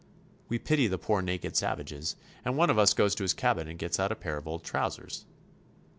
We pity the poor naked savages, and one of us goes to his cabin and gets out a pair of old trousers.